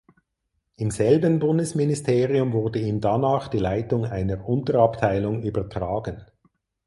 Im selben Bundesministerium wurde ihm danach die Leitung einer Unterabteilung übertragen.